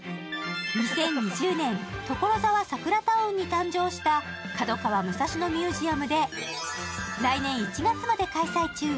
２０２０年、ところざわサクラタウンに誕生した角川武蔵野ミュージアムで来年１月まで開催中。